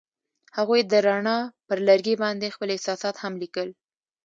هغوی د رڼا پر لرګي باندې خپل احساسات هم لیکل.